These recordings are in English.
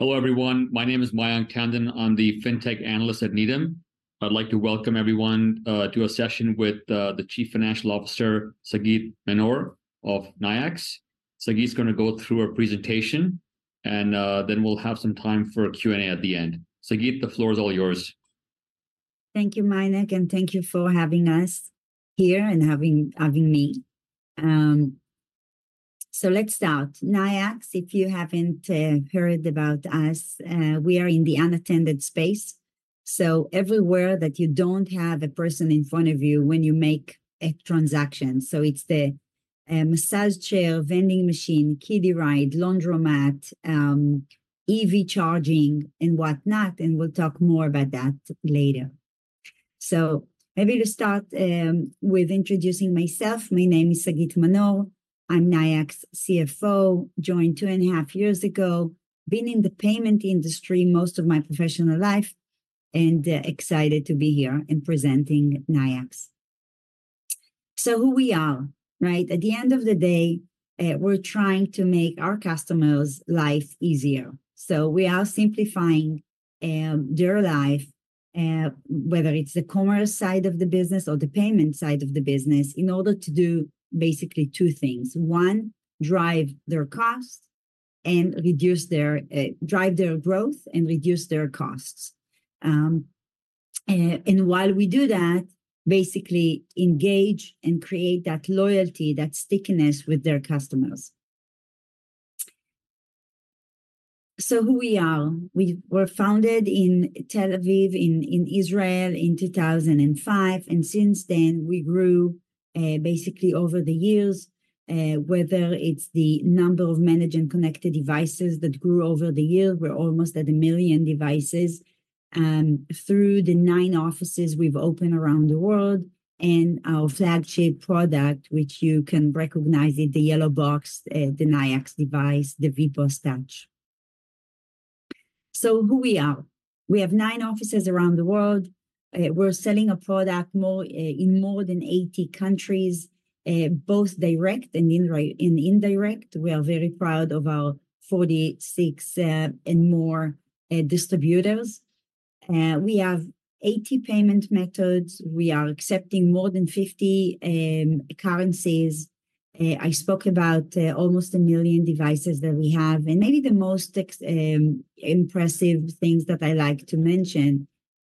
Hello, everyone. My name is Mayank Tandon. I'm the fintech analyst at Needham. I'd like to welcome everyone to a session with the Chief Financial Officer, Sagit Manor of Nayax. Sagit's gonna go through a presentation, and then we'll have some time for a Q&A at the end. Sagit, the floor is all yours. Thank you, Mayank, and thank you for having us here and having me. So let's start. Nayax, if you haven't heard about us, we are in the unattended space, so everywhere that you don't have a person in front of you when you make a transaction. So it's the massage chair, vending machine, kiddie ride, laundromat, EV charging, and whatnot, and we'll talk more about that later. So maybe to start with introducing myself, my name is Sagit Manor. I'm Nayax CFO, joined 2.5 years ago, been in the payment industry most of my professional life, and excited to be here and presenting Nayax. So who we are, right? At the end of the day, we're trying to make our customers' life easier. So we are simplifying their life, whether it's the commerce side of the business or the payment side of the business, in order to do basically two things: one, drive their costs and reduce their, drive their growth and reduce their costs. And while we do that, basically engage and create that loyalty, that stickiness with their customers. So who we are? We were founded in Tel Aviv, in Israel in 2005, and since then, we grew basically over the years, whether it's the number of managed and connected devices that grew over the years, we're almost at 1 million devices, through the nine offices we've opened around the world, and our flagship product, which you can recognize it, the yellow box, the Nayax device, the VPOS Touch. So who we are? We have nine offices around the world. We're selling a product more in more than 80 countries, both direct and indirect. We are very proud of our 46 and more distributors. We have 80 payment methods. We are accepting more than 50 currencies. I spoke about almost 1 million devices that we have, and maybe the most impressive things that I like to mention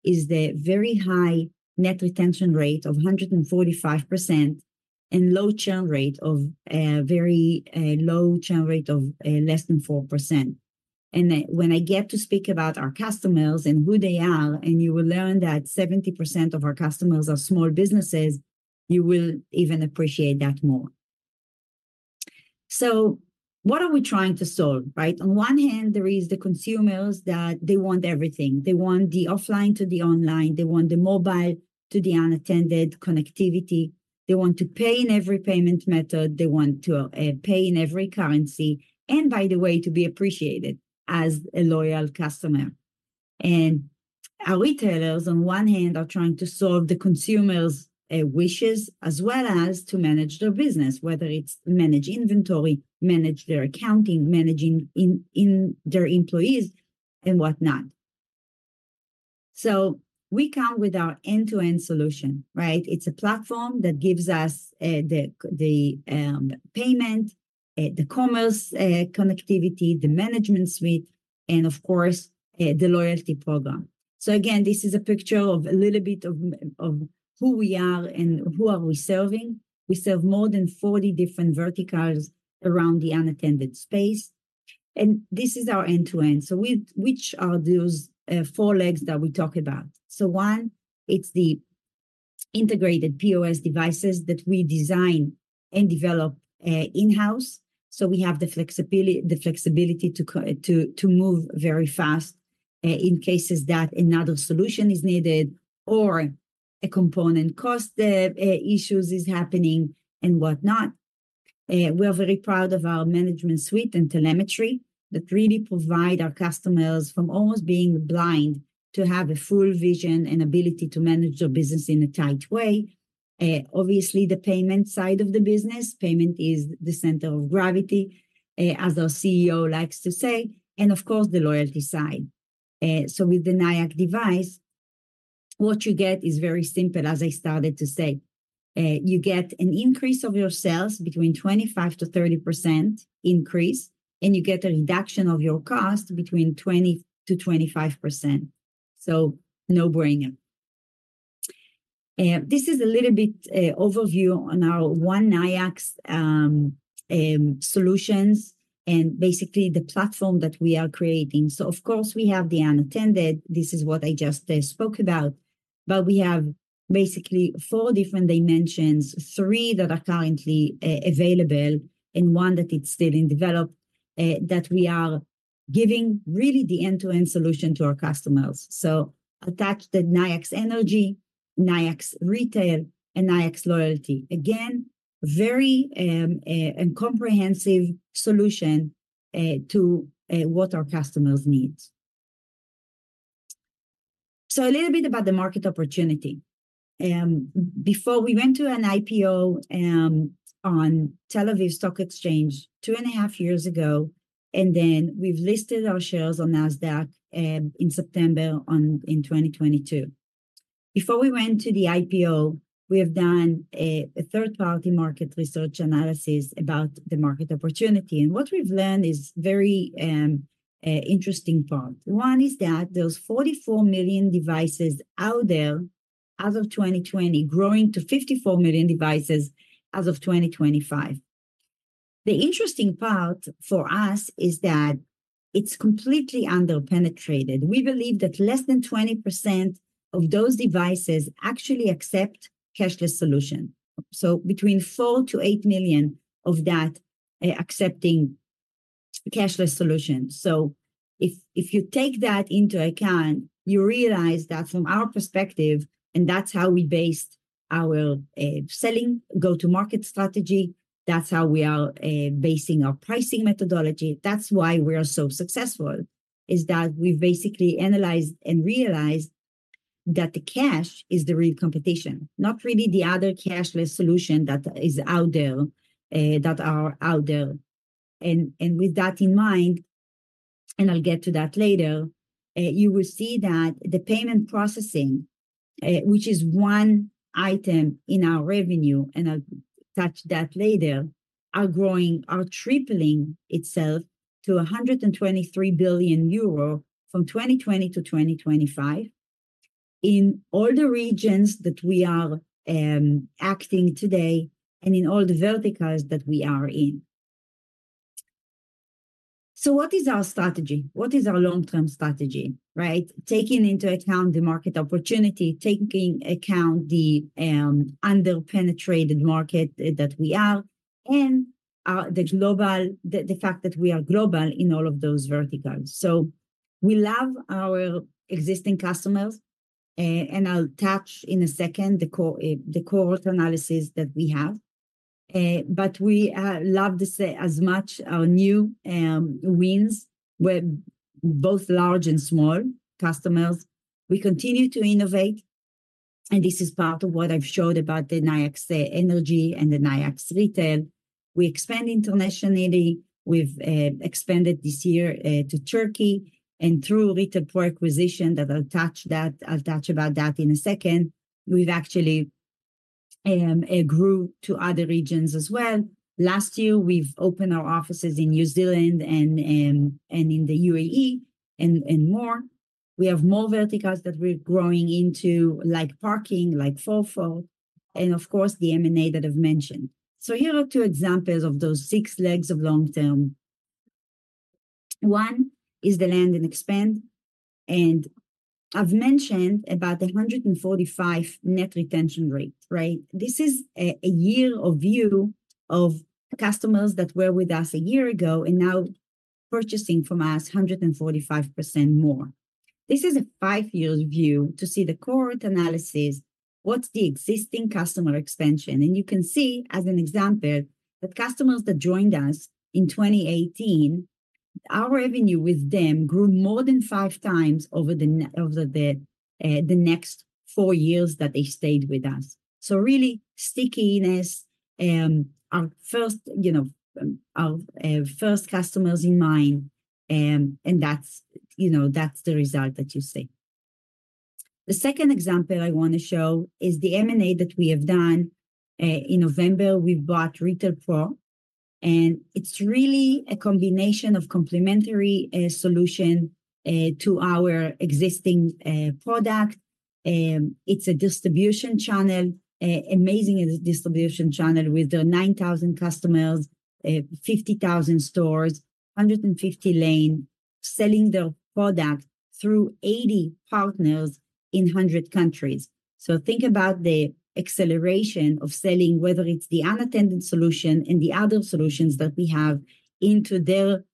is the very high net retention rate of 145% and very low churn rate of less than 4%. And then when I get to speak about our customers and who they are, and you will learn that 70% of our customers are small businesses, you will even appreciate that more. So what are we trying to solve, right? On one hand, there is the consumers, that they want everything. They want the offline to the online. They want the mobile to the unattended connectivity. They want to pay in every payment method. They want to pay in every currency, and by the way, to be appreciated as a loyal customer. Our retailers, on one hand, are trying to solve the consumers' wishes, as well as to manage their business, whether it's manage inventory, manage their accounting, managing their employees, and whatnot. We come with our end-to-end solution, right? It's a platform that gives us the payment, the commerce, connectivity, the management suite, and of course, the loyalty program. So again, this is a picture of a little bit of who we are and who are we serving. We serve more than 40 different verticals around the unattended space, and this is our end-to-end. So we, which are those four legs that we talked about? So one, it's the integrated POS devices that we design and develop in-house, so we have the flexibility to move very fast in cases that another solution is needed or a component cost issues is happening and whatnot. We are very proud of our management suite and telemetry that really provide our customers from almost being blind to have a full vision and ability to manage their business in a tight way. Obviously, the payment side of the business, payment is the center of gravity, as our CEO likes to say, and of course, the loyalty side. So with the Nayax device, what you get is very simple, as I started to say. You get an increase of your sales between 25%-30% increase, and you get a reduction of your cost between 20%-25%, so no-brainer. This is a little bit overview on our Nayax solutions and basically the platform that we are creating. So of course, we have the unattended. This is what I just spoke about. But we have basically four different dimensions, three that are currently available and one that is still in development that we are giving really the end-to-end solution to our customers. So that's the Nayax Energy, Nayax Retail, and Nayax Loyalty. Again, very comprehensive solution to what our customers need... So a little bit about the market opportunity. Before we went to an IPO on Tel Aviv Stock Exchange 2.5 years ago, and then we've listed our shares on Nasdaq in September 2022. Before we went to the IPO, we have done a third-party market research analysis about the market opportunity, and what we've learned is very interesting part. One is that there's 44 million devices out there as of 2020, growing to 54 million devices as of 2025. The interesting part for us is that it's completely under-penetrated. We believe that less than 20% of those devices actually accept cashless solution, so between 4 million-8 million of that accepting cashless solution. So if you take that into account, you realize that from our perspective, and that's how we based our selling go-to-market strategy, that's how we are basing our pricing methodology, that's why we are so successful, is that we've basically analyzed and realized that the cash is the real competition, not really the other cashless solution that is out there that are out there. And with that in mind, and I'll get to that later, you will see that the payment processing, which is one item in our revenue, and I'll touch that later, are growing, are tripling itself to 123 billion euro from 2020 to 2025 in all the regions that we are acting today and in all the verticals that we are in. So what is our strategy? What is our long-term strategy, right? Taking into account the market opportunity, taking account the under-penetrated market that we are, and the global... the, the fact that we are global in all of those verticals. So we love our existing customers, and I'll touch in a second the co- the cohort analysis that we have, but we love to say as much our new wins, with both large and small customers. We continue to innovate, and this is part of what I've showed about the Nayax Energy and the Nayax Retail. We expand internationally. We've expanded this year to Turkey, and through Retail Pro acquisition, that I'll touch that- I'll touch about that in a second, we've actually grew to other regions as well. Last year, we've opened our offices in New Zealand and, and, and in the UAE, and, and more. We have more verticals that we're growing into, like parking, like FOFO, and of course, the M&A that I've mentioned. So here are two examples of those six legs of long term. One is the land and expand, and I've mentioned about the 145 net retention rate, right? This is a year of view of customers that were with us a year ago and now purchasing from us 145% more. This is a five-year view to see the cohort analysis, what's the existing customer expansion, and you can see, as an example, that customers that joined us in 2018, our revenue with them grew more than five times over the next four years that they stayed with us. So really, stickiness, our first, you know, our first customers in mind, and that's, you know, that's the result that you see. The second example I want to show is the M&A that we have done. In November, we bought Retail Pro, and it's really a combination of complementary solution to our existing product. It's a distribution channel, an amazing distribution channel with the 9,000 customers, 50,000 stores, 150 lanes, selling their product through 80 partners in 100 countries. So think about the acceleration of selling, whether it's the unattended solution and the other solutions that we have, into their,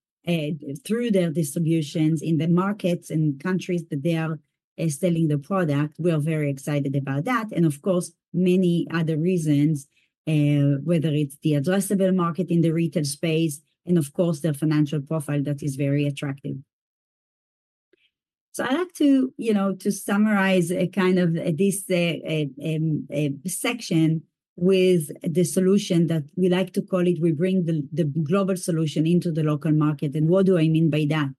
through their distributions in the markets and countries that they are selling the product. We are very excited about that, and of course, many other reasons, whether it's the addressable market in the retail space and of course, their financial profile that is very attractive. So I'd like to, you know, to summarize a kind of this section with the solution that we like to call it, we bring the global solution into the local market. And what do I mean by that?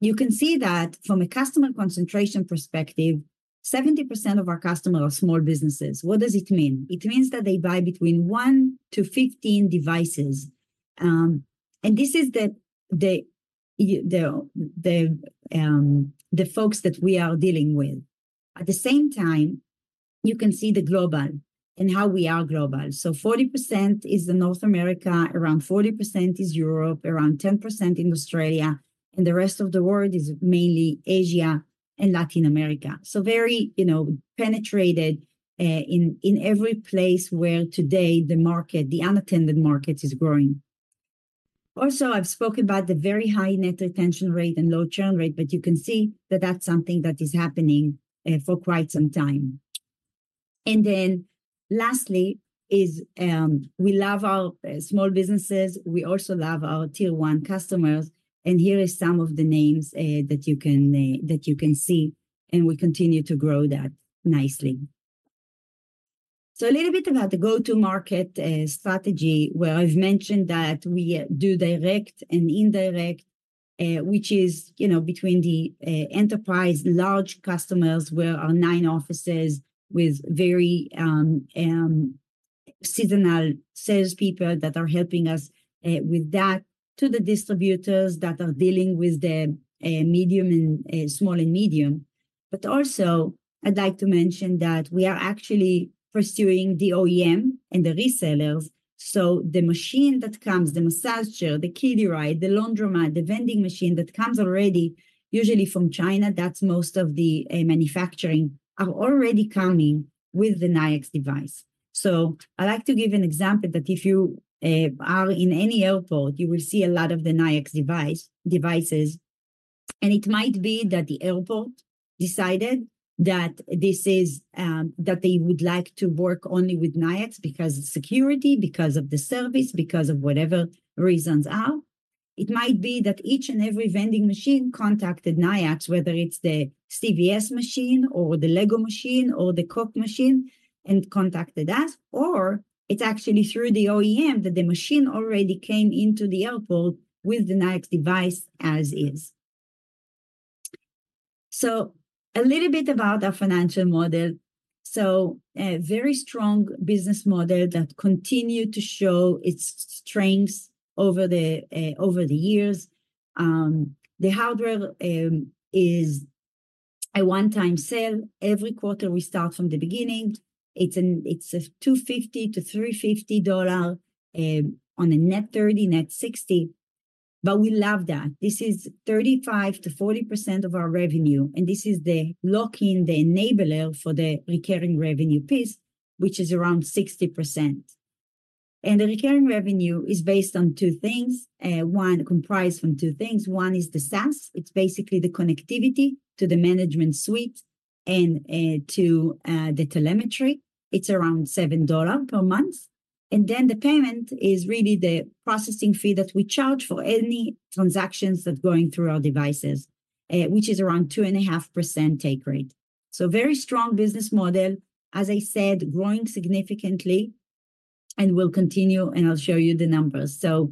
You can see that from a customer concentration perspective, 70% of our customers are small businesses. What does it mean? It means that they buy between 1-15 devices. And this is the folks that we are dealing with. At the same time, you can see the global and how we are global. So 40% is North America, around 40% is Europe, around 10% in Australia, and the rest of the world is mainly Asia and Latin America. So very, you know, penetrated in every place where today the market, the unattended market, is growing. Also, I've spoken about the very high net retention rate and low churn rate, but you can see that that's something that is happening for quite some time. And then lastly is we love our small businesses, we also love our tier one customers, and here is some of the names that you can see, and we continue to grow that nicely. So a little bit about the go-to-market strategy, where I've mentioned that we do direct and indirect, which is, you know, between the enterprise large customers, where our 9 offices with very specialized salespeople that are helping us with that, to the distributors that are dealing with the medium and small and medium. But also, I'd like to mention that we are actually pursuing the OEM and the resellers, so the machine that comes, the massage chair, the kiddie ride, the laundromat, the vending machine that comes already, usually from China, that's most of the manufacturing, are already coming with the Nayax device. So I'd like to give an example that if you are in any airport, you will see a lot of the Nayax device, devices, and it might be that the airport decided that this is... That they would like to work only with Nayax because of security, because of the service, because of whatever reasons are. It might be that each and every vending machine contacted Nayax, whether it's the CVS machine or the LEGO machine or the Coke machine, and contacted us, or it's actually through the OEM, that the machine already came into the airport with the Nayax device as is. So a little bit about our financial model. So, a very strong business model that continue to show its strengths over the, over the years. The hardware is a one-time sale. Every quarter, we start from the beginning. It's a $250-$350, on a net 30, net 60, but we love that. This is 35%-40% of our revenue, and this is the lock-in, the enabler for the recurring revenue piece, which is around 60%. And the recurring revenue is based on two things, comprised from two things. One is the SaaS. It's basically the connectivity to the management suite and to the telemetry. It's around $7 per month. And then the payment is really the processing fee that we charge for any transactions that's going through our devices, which is around 2.5% take rate. So very strong business model, as I said, growing significantly, and will continue, and I'll show you the numbers. So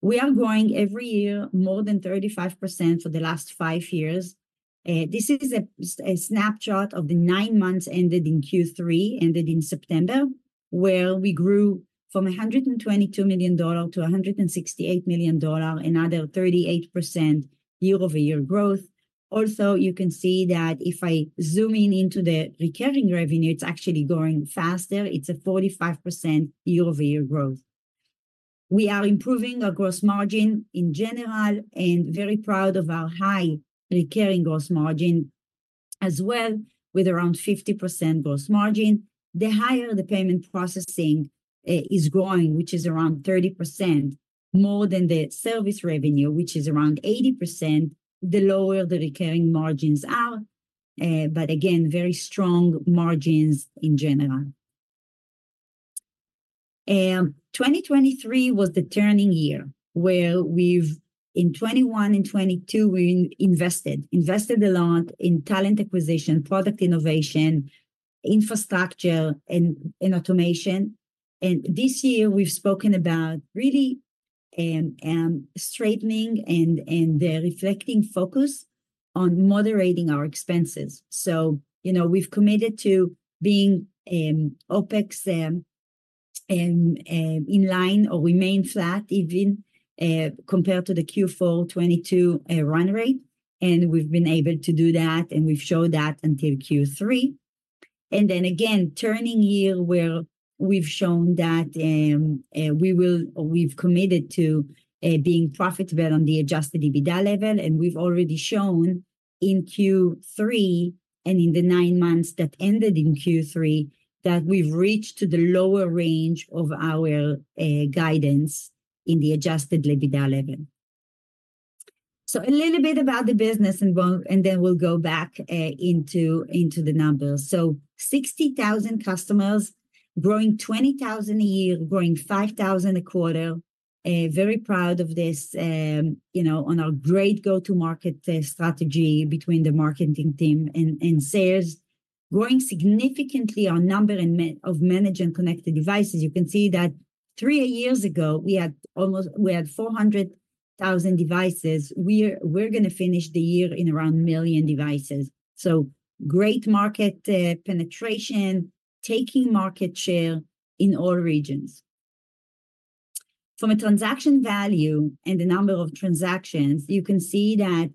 we are growing every year more than 35% for the last five years. This is a snapshot of the nine months ended in Q3, ended in September, where we grew from $122 million to $168 million, another 38% year-over-year growth. Also, you can see that if I zoom in into the recurring revenue, it's actually growing faster. It's a 45% year-over-year growth. We are improving our gross margin in general, and very proud of our high recurring gross margin as well, with around 50% gross margin. The higher the payment processing is growing, which is around 30%, more than the service revenue, which is around 80%, the lower the recurring margins are, but again, very strong margins in general. 2023 was the turning year, where we've... In 2021 and 2022, we invested a lot in talent acquisition, product innovation, infrastructure, and automation, and this year we've spoken about really straightening and the reflecting focus on moderating our expenses. So, you know, we've committed to being OPEX in line or remain flat even compared to the Q4 2022 run rate, and we've been able to do that, and we've showed that until Q3. And then again, turning year, where we've shown that we've committed to being profitable on the Adjusted EBITDA level, and we've already shown in Q3, and in the nine months that ended in Q3, that we've reached to the lower range of our guidance in the Adjusted EBITDA level. So a little bit about the business, and we'll... And then we'll go back into the numbers. So 60,000 customers, growing 20,000 a year, growing 5,000 a quarter. Very proud of this, you know, on our great go-to-market strategy between the marketing team and sales. Growing significantly on number of managed and connected devices. You can see that three years ago, we had 400,000 devices. We're gonna finish the year in around 1 million devices, so great market penetration, taking market share in all regions. From a transaction value and the number of transactions, you can see that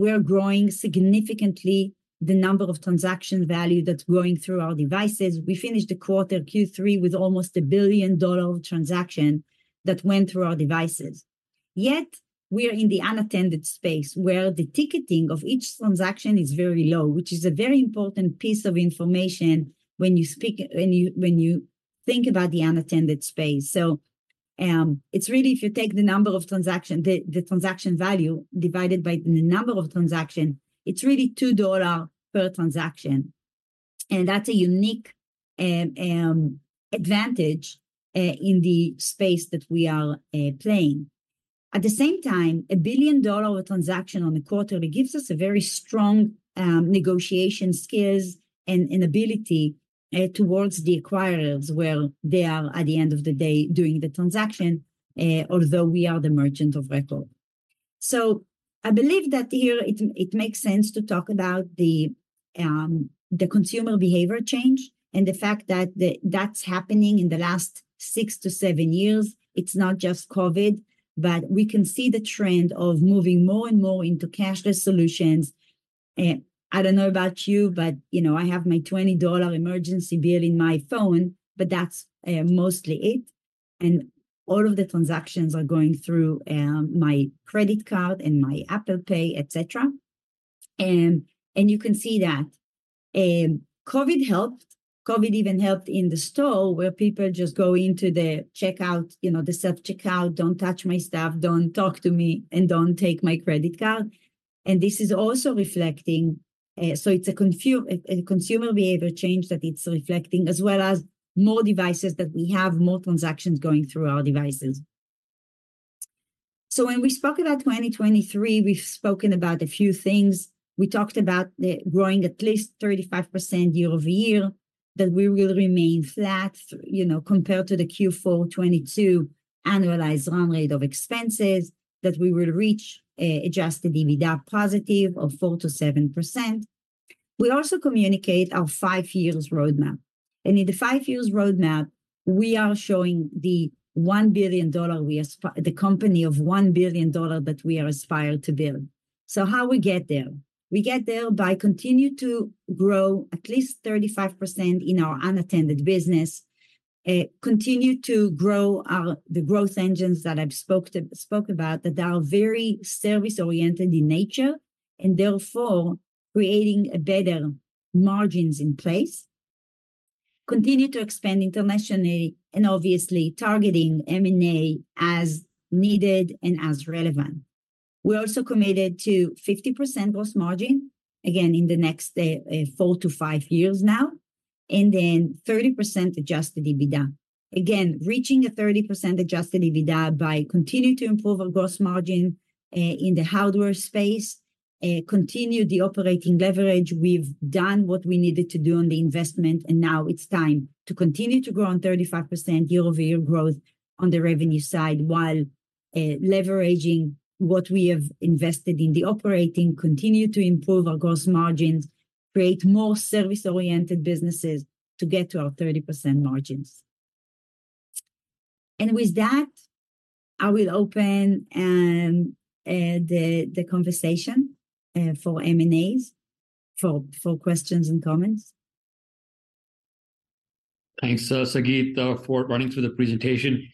we're growing significantly the number of transaction value that's going through our devices. We finished the quarter, Q3, with almost a billion-dollar transaction that went through our devices, yet we are in the unattended space, where the ticketing of each transaction is very low, which is a very important piece of information when you think about the unattended space. So, it's really if you take the number of transaction, the transaction value divided by the number of transaction, it's really $2 per transaction, and that's a unique advantage in the space that we are playing. At the same time, a billion-dollar transaction on the quarterly gives us a very strong negotiation skills and ability towards the acquirers, where they are, at the end of the day, doing the transaction, although we are the merchant of record. So I believe that here, it makes sense to talk about the consumer behavior change and the fact that that's happening in the last six to seven years. It's not just COVID, but we can see the trend of moving more and more into cashless solutions. I don't know about you, but, you know, I have my $20 emergency bill in my phone, but that's mostly it, and all of the transactions are going through my credit card and my Apple Pay, et cetera. And you can see that COVID helped. COVID even helped in the store, where people just go into the checkout, you know, the self-checkout, "Don't touch my stuff, don't talk to me, and don't take my credit card," and this is also reflecting... So it's a consumer behavior change that it's reflecting, as well as more devices that we have, more transactions going through our devices. So when we spoke about 2023, we've spoken about a few things. We talked about the growing at least 35% year-over-year, that we will remain flat, you know, compared to the Q4 2022 annualized run rate of expenses, that we will reach an adjusted EBITDA positive of 4%-7%. We also communicate our five years roadmap, and in the five years roadmap, we are showing the $1 billion the company of $1 billion that we are aspired to build. So how we get there? We get there by continue to grow at least 35% in our unattended business, continue to grow our the growth engines that I've spoke about, that are very service-oriented in nature, and therefore creating a better margins in place, continue to expand internationally, and obviously targeting M&A as needed and as relevant. We're also committed to 50% gross margin, again, in the next four to five years now, and then 30% Adjusted EBITDA. Again, reaching a 30% Adjusted EBITDA by continue to improve our gross margin in the hardware space, continue the operating leverage. We've done what we needed to do on the investment, and now it's time to continue to grow on 35% year-over-year growth on the revenue side, while leveraging what we have invested in the operating, continue to improve our gross margins, create more service-oriented businesses to get to our 30% margins. And with that, I will open the conversation for M&As, for questions and comments. Thanks, Sagit, for running through the presentation.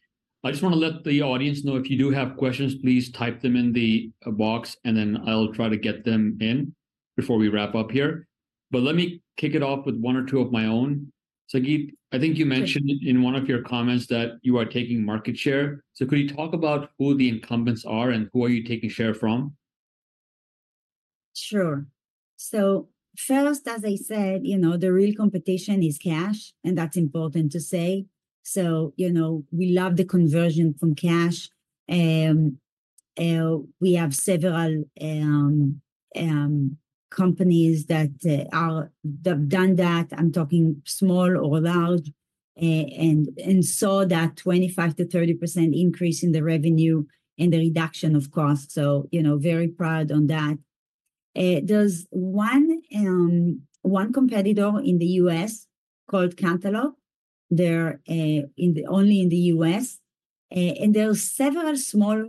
I just want to let the audience know if you do have questions, please type them in the box, and then I'll try to get them in before we wrap up here, but let me kick it off with one or two of my own. Sagit, I think you mentioned- Sure ...in one of your comments that you are taking market share. Could you talk about who the incumbents are, and who are you taking share from? Sure. So first, as I said, you know, the real competition is cash, and that's important to say. So, you know, we love the conversion from cash. We have several companies that have done that, I'm talking small or large, and saw that 25%-30% increase in the revenue and the reduction of cost, so, you know, very proud on that. There's one competitor in the U.S. called Cantaloupe. They're only in the U.S. And there are several small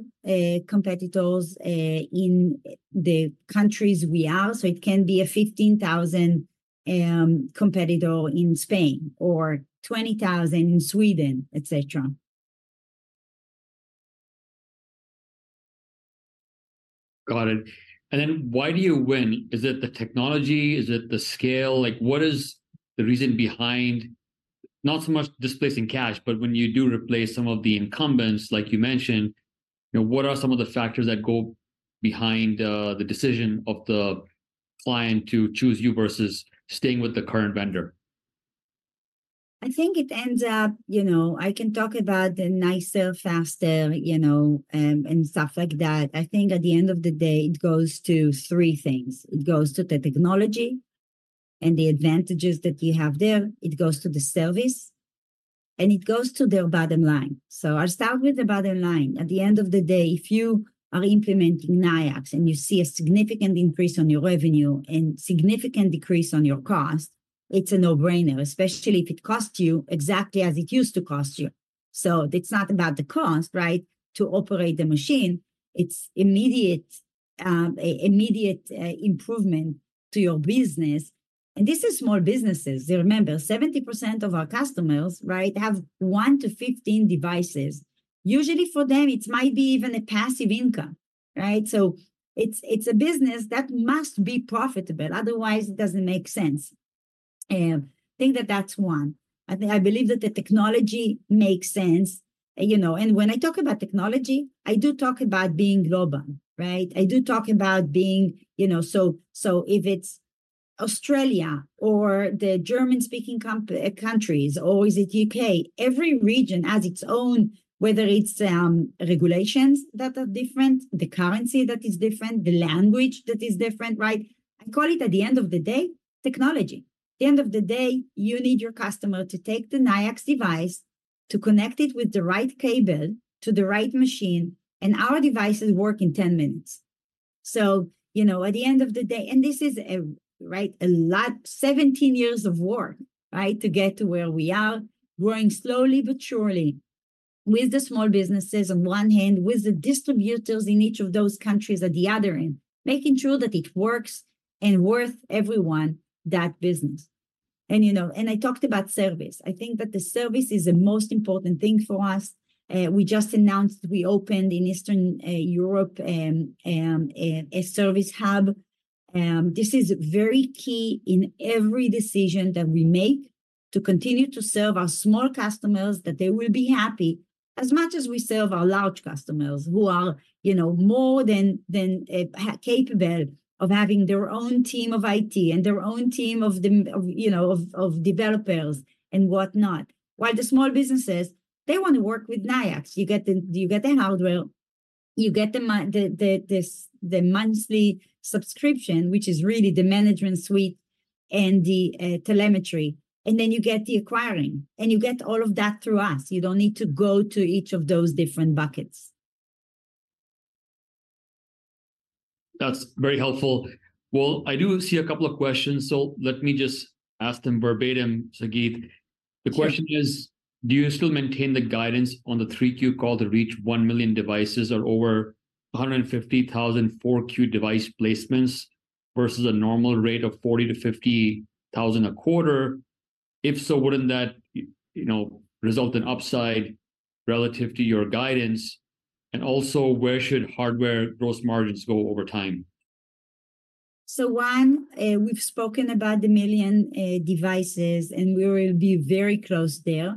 competitors in the countries we are, so it can be a 15,000 competitor in Spain or 20,000 in Sweden, et cetera. Got it. And then why do you win? Is it the technology? Is it the scale? Like, what is the reason behind, not so much displacing cash, but when you do replace some of the incumbents, like you mentioned, you know, what are some of the factors that go behind the decision of the client to choose you versus staying with the current vendor? I think it ends up, you know, I can talk about the nicer, faster, you know, and stuff like that. I think at the end of the day, it goes to three things: It goes to the technology and the advantages that you have there, it goes to the service, and it goes to their bottom line. So I'll start with the bottom line. At the end of the day, if you are implementing Nayax and you see a significant increase on your revenue and significant decrease on your cost, it's a no-brainer, especially if it costs you exactly as it used to cost you. So it's not about the cost, right, to operate the machine, it's immediate, an immediate improvement to your business, and this is small businesses. Remember, 70% of our customers, right, have one to 15 devices. Usually, for them, it might be even a passive income, right? So it's, it's a business that must be profitable, otherwise it doesn't make sense. Think that that's one. I think I believe that the technology makes sense. You know, and when I talk about technology, I do talk about being global, right? I do talk about being, you know. So, so if it's Australia or the German-speaking countries, or is it U.K., every region has its own, whether it's regulations that are different, the currency that is different, the language that is different, right? I call it, at the end of the day, technology. At the end of the day, you need your customer to take the Nayax device, to connect it with the right cable to the right machine, and our devices work in 10 minutes. So, you know, at the end of the day. And this is a, right, a lot. 17 years of work, right, to get to where we are, growing slowly but surely, with the small businesses on one hand, with the distributors in each of those countries at the other end, making sure that it works and worth everyone that business. And, you know, and I talked about service. I think that the service is the most important thing for us. We just announced we opened in Eastern Europe a service hub. This is very key in every decision that we make, to continue to serve our small customers, that they will be happy, as much as we serve our large customers, who are, you know, more than capable of having their own team of IT and their own team of, you know, developers and whatnot. While the small businesses, they want to work with Nayax. You get the hardware, you get the monthly subscription, which is really the management suite and the telemetry, and then you get the acquiring. And you get all of that through us. You don't need to go to each of those different buckets. That's very helpful. Well, I do see a couple of questions, so let me just ask them verbatim, Sagit. Sure. The question is: Do you still maintain the guidance on the 3Q call to reach 1 million devices or over 150,000 4Q device placements versus a normal rate of 40,000-50,000 a quarter? If so, wouldn't that, you know, result in upside relative to your guidance? And also, where should hardware gross margins go over time? So, one, we've spoken about the 1 million devices, and we will be very close there.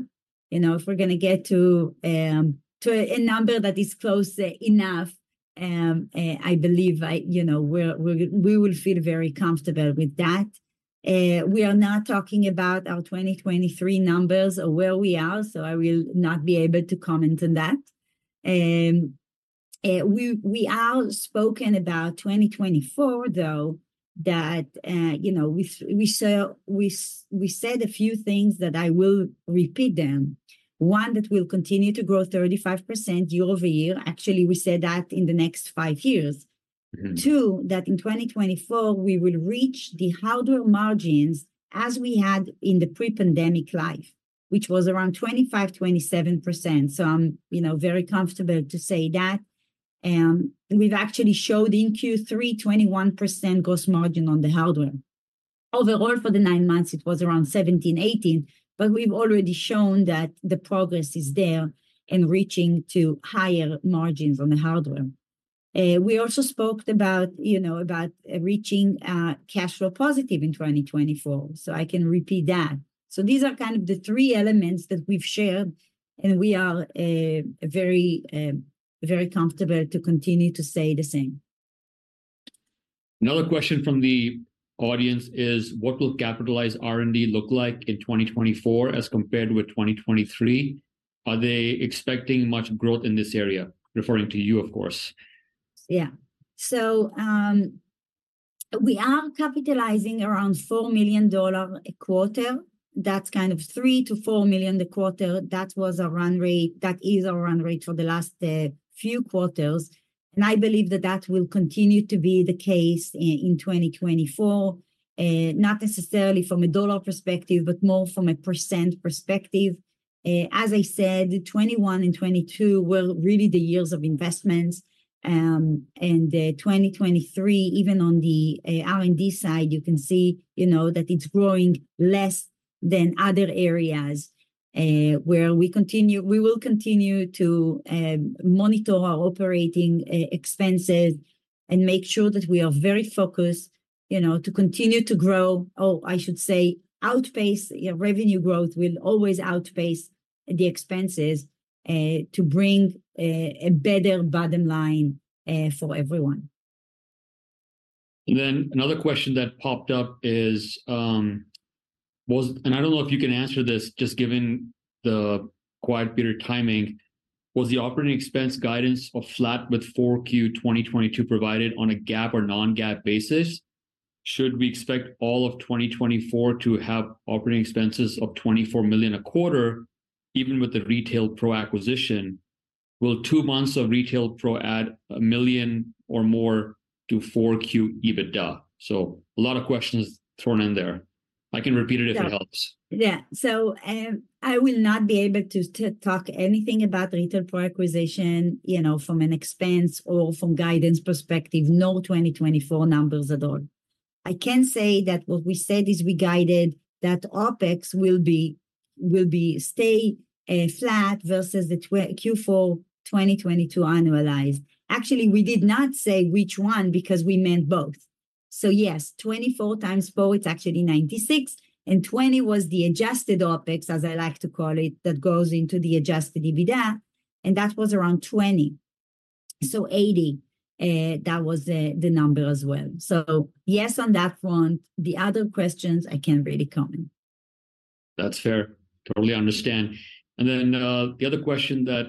You know, if we're gonna get to a number that is close enough, I believe I... You know, we're, we will feel very comfortable with that. We are not talking about our 2023 numbers or where we are, so I will not be able to comment on that. We have spoken about 2024, though, that you know, we said a few things that I will repeat them. One, that we'll continue to grow 35% year-over-year. Actually, we said that in the next five years. Mm-hmm. Two, that in 2024, we will reach the hardware margins as we had in the pre-pandemic life, which was around 25%-27%. So I'm, you know, very comfortable to say that. We've actually showed in Q3, 21% gross margin on the hardware. Overall, for the nine months, it was around 17%-18%, but we've already shown that the progress is there in reaching to higher margins on the hardware. We also spoke about, you know, about reaching, cash flow positive in 2024, so I can repeat that. So these are kind of the three elements that we've shared, and we are, very, very comfortable to continue to say the same. Another question from the audience is: What will capitalized R&D look like in 2024 as compared with 2023? Are they expecting much growth in this area? Referring to you, of course. Yeah. So, we are capitalizing around $4 million a quarter. That's kind of $3 million-$4 million a quarter. That was our run rate... That is our run rate for the last, few quarters, and I believe that that will continue to be the case in 2024, not necessarily from a dollar perspective, but more from a percent perspective. As I said, 2021 and 2022 were really the years of investments, and 2023, even on the R&D side, you can see, you know, that it's growing less than other areas. We will continue to monitor our operating expenses and make sure that we are very focused, you know, to continue to grow... Oh, I should say outpace, revenue growth will always outpace the expenses, to bring a better bottom line for everyone. And then another question that popped up is, was. And I don't know if you can answer this, just given the quiet period timing: Was the operating expense guidance of flat with 4Q 2022 provided on a GAAP or non-GAAP basis? Should we expect all of 2024 to have operating expenses of $24 million a quarter, even with the Retail Pro acquisition? Will two months of Retail Pro add $1 million or more to 4Q EBITDA? So a lot of questions thrown in there. I can repeat it if it helps. Yeah. Yeah, so, I will not be able to talk anything about Retail Pro acquisition, you know, from an expense or from guidance perspective, no 2024 numbers at all. I can say that what we said is we guided that OPEX will stay flat versus the Q4 2022 annualized. Actually, we did not say which one because we meant both. So yes, $24 times four, it's actually $96, and $20 was the adjusted OPEX, as I like to call it, that goes into the adjusted EBITDA, and that was around $20. So $80, that was the number as well. So yes, on that front. The other questions, I can't really comment. That's fair. Totally understand. And then, the other question that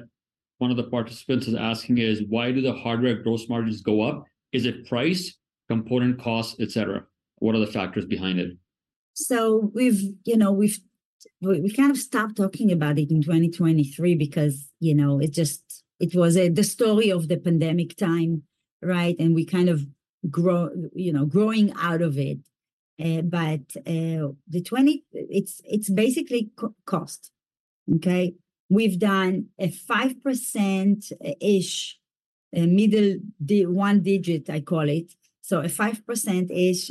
one of the participants is asking is: Why do the hardware gross margins go up? Is it price, component cost, et cetera? What are the factors behind it? So we've, you know, kind of stopped talking about it in 2023 because, you know, it just, it was the story of the pandemic time, right? And we kind of growing out of it. But it's basically cost, okay? We've done a 5%-ish mid-single-digit, I call it, so a 5%-ish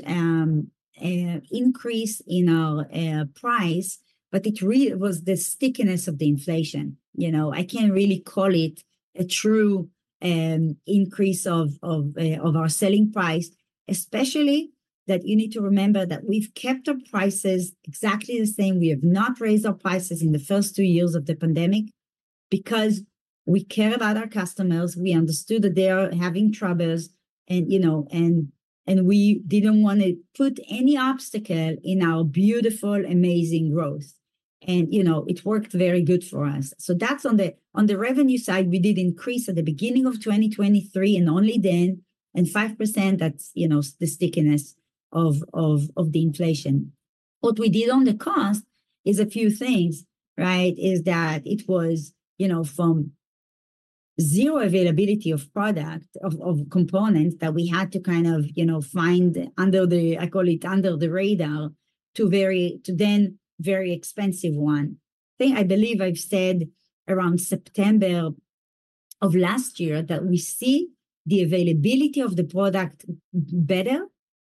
increase in our price, but it really was the stickiness of the inflation. You know, I can't really call it a true increase of our selling price, especially that you need to remember that we've kept our prices exactly the same. We have not raised our prices in the first two years of the pandemic because we care about our customers. We understood that they are having troubles, and, you know, we didn't wanna put any obstacle in our beautiful, amazing growth, and, you know, it worked very good for us. So that's on the... On the revenue side, we did increase at the beginning of 2023, and only then 5%, that's, you know, the stickiness of the inflation. What we did on the cost is a few things, right? It was, you know, from zero availability of product, of components that we had to kind of, you know, find under the, I call it under the radar, to very then very expensive one. I think I believe I've said around September of last year that we see the availability of the product better,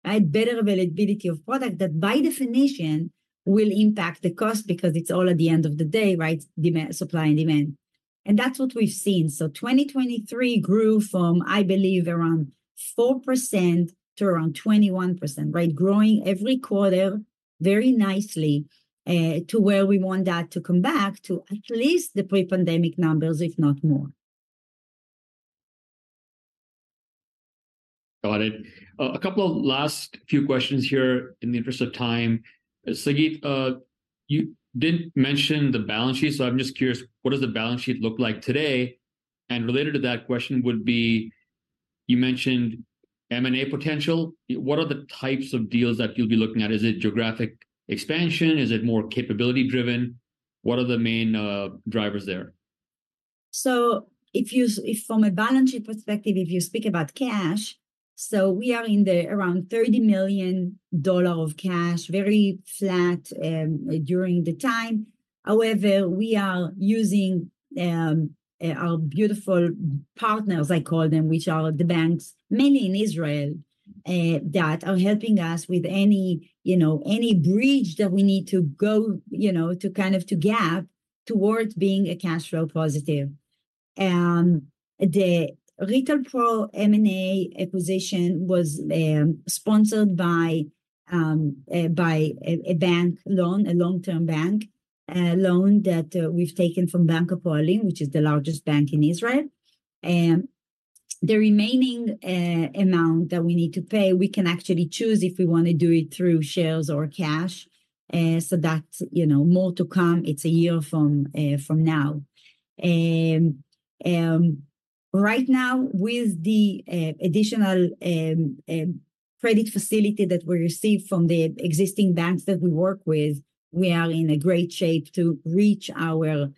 right? Better availability of product that, by definition, will impact the cost because it's all, at the end of the day, right, demand... supply and demand, and that's what we've seen. So 2023 grew from, I believe, around 4%-around 21%, right? Growing every quarter very nicely to where we want that to come back to at least the pre-pandemic numbers, if not more. Got it. A couple of last few questions here in the interest of time. Sagit, you didn't mention the balance sheet, so I'm just curious, what does the balance sheet look like today? And related to that question would be, you mentioned M&A potential. What are the types of deals that you'll be looking at? Is it geographic expansion? Is it more capability-driven? What are the main drivers there? So if you, if from a balance sheet perspective, if you speak about cash, so we are in the around $30 million of cash, very flat, during the time. However, we are using our beautiful partners, I call them, which are the banks, mainly in Israel, that are helping us with any, you know, any bridge that we need to go, you know, to kind of to gap towards being a cash flow positive. The Retail Pro M&A acquisition was sponsored by a bank loan, a long-term bank loan that we've taken from Bank Hapoalim, which is the largest bank in Israel. The remaining amount that we need to pay, we can actually choose if we wanna do it through shares or cash. So that's, you know, more to come. It's a year from now. Right now, with the additional credit facility that we received from the existing banks that we work with, we are in a great shape to reach our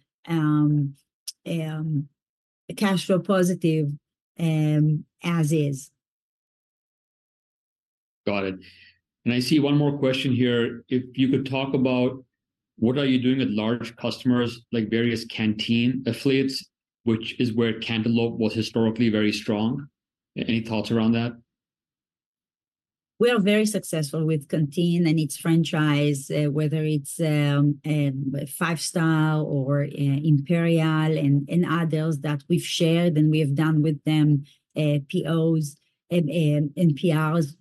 cash flow positive, as is. Got it. I see one more question here. If you could talk about what are you doing with large customers, like various Canteen affiliates, which is where Cantaloupe was historically very strong. Any thoughts around that? We are very successful with Canteen and its franchise, whether it's Five Star or Imperial and others that we've shared, and we have done with them POs and PRs.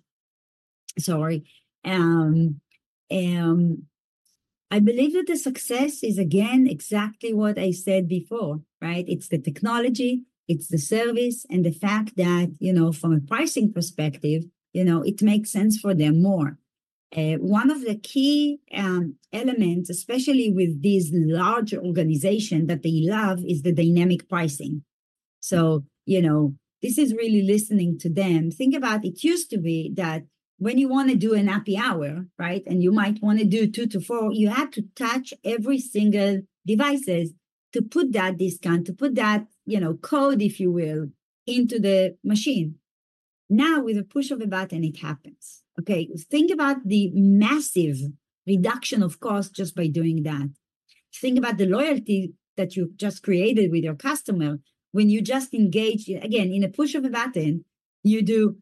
Sorry. I believe that the success is, again, exactly what I said before, right? It's the technology, it's the service, and the fact that, you know, from a pricing perspective, you know, it makes sense for them more. One of the key elements, especially with these larger organizations, that they love is the dynamic pricing. So, you know, this is really listening to them. Think about it. It used to be that when you wanna do a happy hour, right, and you might wanna do two to four, you had to touch every single devices to put that discount, to put that, you know, code, if you will, into the machine. Now, with a push of a button, it happens, okay? Think about the massive reduction of cost just by doing that. Think about the loyalty that you've just created with your customer when you just engage, again, in a push of a button, you do, like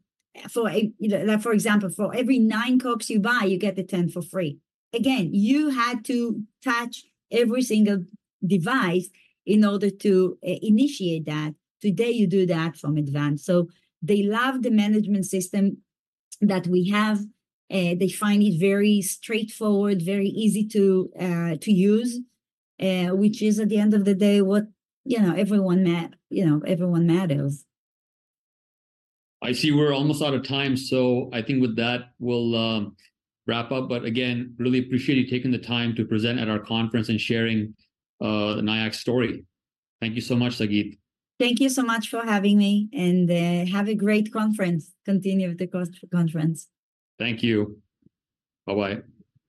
for example, for every nine Cokes you buy, you get the 10th for free. Again, you had to touch every single device in order to initiate that. Today, you do that from advance. So they love the management system that we have. They find it very straightforward, very easy to use, which is, at the end of the day, what, you know, everyone matters. I see we're almost out of time, so I think with that, we'll wrap up. But again, really appreciate you taking the time to present at our conference and sharing Nayax story. Thank you so much, Sagit. Thank you so much for having me, and have a great conference. Continue with the conference. Thank you. Bye-bye.